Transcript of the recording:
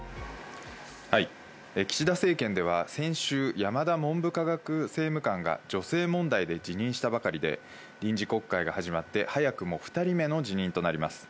はい、岸田政権では先週、山田文部科学政務官が女性問題で辞任したばかりで、臨時国会が始まって早くも２人目の辞任となります。